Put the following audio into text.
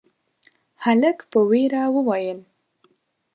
هلک په وېره وويل: